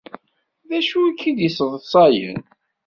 D acu i k-id-isseḍsayen?